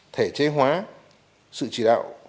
thể chế hóa sự chỉ đạo